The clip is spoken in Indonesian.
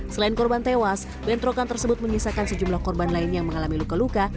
selain korban tewas bentrokan tersebut menyisakan sejumlah korban lain yang mengalami luka luka